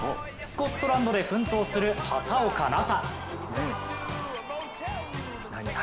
スコットランドで奮闘する畑岡奈紗。